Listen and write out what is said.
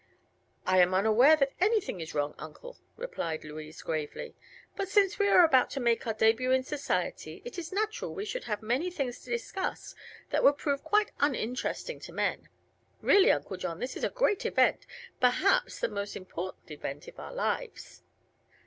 "I am unaware that anything is wrong, Uncle," replied Louise gravely. "But since we are about to make our debut in society it is natural we should have many things to discuss that would prove quite uninteresting to men. Really, Uncle John, this is a great event perhaps the most important event of our lives."